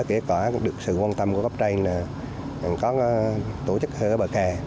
kể cả được sự quan tâm của góc trai là có tổ chức hơi ở bờ cà